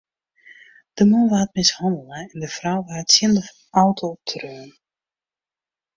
De man waard mishannele en de frou waard tsjin de auto treaun.